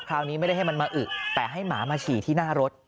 คราวนี้ไม่ได้ให้มันมาอึแต่ให้หมามาฉี่ที่หน้ารถ